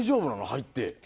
入って。